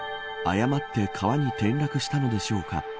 誤って川に転落したのでしょうか。